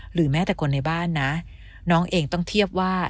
หรือแม้แต่คนในบ้านนะน้องเองต้องเทียบว่า